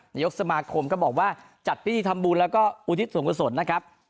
นายกสมาคมก็บอกว่าจัดพิธีทำบุญแล้วก็อุทิศส่วนกุศลนะครับ